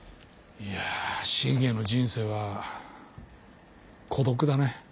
いや信玄の人生は孤独。